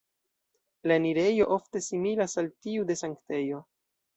La enirejo ofte similas al tiu de sanktejo.